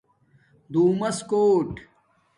دُݸمس کوٹ